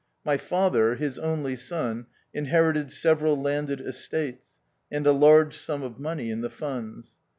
My father, his only son, inherited several landed estates, and a large sum of money in the funds.